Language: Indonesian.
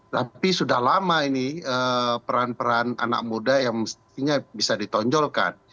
tapi sudah lama ini peran peran anak muda yang mestinya bisa ditonjolkan